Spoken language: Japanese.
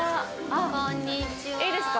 いいですか？